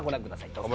どうぞ。